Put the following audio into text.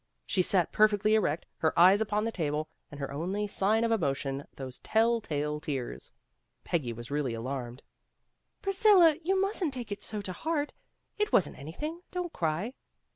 She sat perfectly erect, her eyes upon the table, and her only sign of emotion those tell tale tears. Peggy was really alarmed. "Priscilla, you mustn't take it so to heart. It wasn't anything. Don't cry."